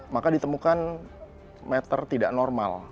maka ditemukan meter tidak normal